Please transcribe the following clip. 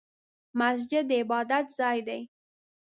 مسجد د عبادت ځای دی